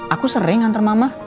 aku sering anter mama